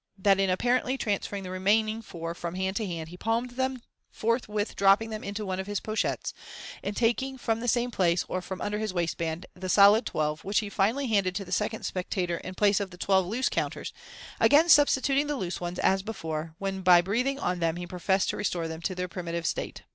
That in apparently transferring the remaining four from hand to hand he palmed them, forthwith dropping them into one cf his pochettes, and taking from the same place, or from under his waistband, the solid twelve, which he finally handed to the second spectator in plar^ of the twelve loose counters ; again substituting the loose ones, as before, when by breathing on them he professed to restore them to their primitive state.